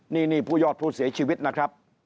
นี่ผู้ยอดผู้เสียชีวิตนะครับ